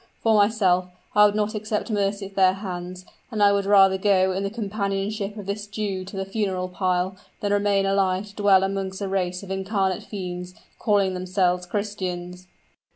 For myself, I would not accept mercy at their hands; and I would rather go in the companionship of this Jew to the funeral pile, than remain alive to dwell amongst a race of incarnate fiends, calling themselves Christians!"